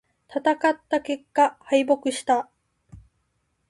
戦った結果、敗北した。